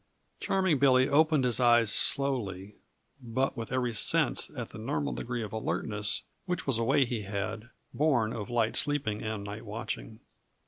_" Charming Billy opened his eyes slowly, but with every sense at the normal degree of alertness; which was a way he had, born of light sleeping and night watching.